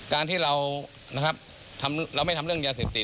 การที่เรานะครับเราไม่ทำเรื่องยาสิบติด